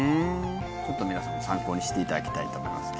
ちょっと皆さんも参考にしていただきたいと思います。